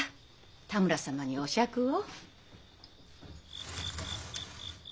多村様にお酌を。